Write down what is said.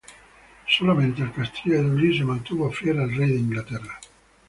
Solamente el Castillo de Dublín se mantuvo fiel al Rey de Inglaterra.